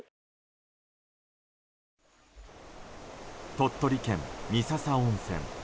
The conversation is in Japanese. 鳥取県三朝温泉。